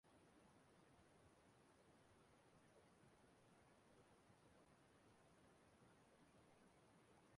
ma bụrụkwa nke onyeisi oche ụlọọrụ ahụ